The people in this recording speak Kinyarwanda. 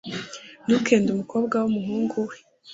ntukende umukobwa w umuhungu we